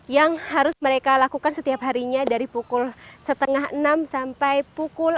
yang harus mereka lakukan setiap harinya dari pukul setengah enam sampai pukul